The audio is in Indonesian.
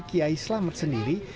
kiai selamat sendiri